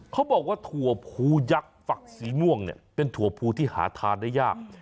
เขาบอกว่าถั่วภูยักษ์ฝักสีม่วงเนี่ยเป็นถั่วภูที่หาทานได้ยาก